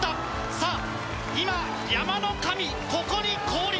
さあ、今、山の神、ここに降臨。